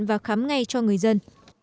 và khám ngay cho người dân